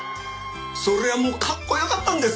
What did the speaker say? そりゃもうかっこよかったんです